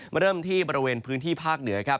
เริ่มที่บริเวณพื้นที่ภาคเหนือครับ